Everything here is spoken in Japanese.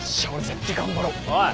おい！